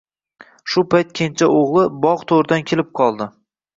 Shu payt kenja o`g`li bog` to`ridan kelib qoldi